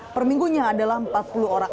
perminggunya adalah empat puluh orang